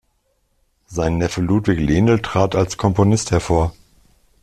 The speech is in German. Sein Neffe Ludwig Lenel trat als Komponist hervor.